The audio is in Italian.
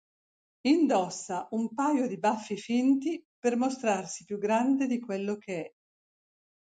Indossa un paio di baffi finti per mostrarsi più grande di quello che è.